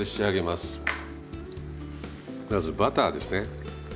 まずバターですね。